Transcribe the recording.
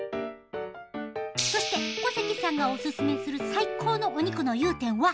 そして小関さんがオススメする最高のお肉の融点は？